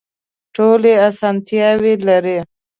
ټولې اسانتیاوې لري.